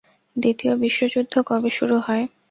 দ্বিতীয় বিশ্বযুদ্ধ কবে শুরু হয়?